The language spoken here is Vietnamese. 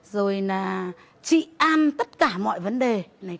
rồi là trị an tất cả mọi vấn đề này